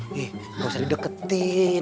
nggak usah di deketin